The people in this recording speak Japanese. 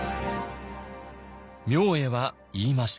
明恵は言いました。